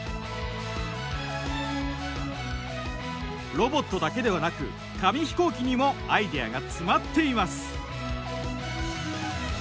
ロボットだけではなく紙飛行機にもアイデアが詰まっています。